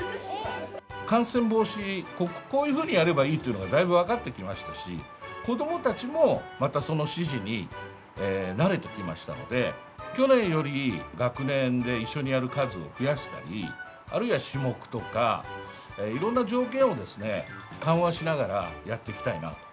感染防止、こういうふうにやればいいというのがだいぶ分かってきましたし、子どもたちも、またその指示に慣れてきましたので、去年より、学年で一緒にやる数を増やしたり、あるいは種目とか、いろんな条件を緩和しながら、やっていきたいなと。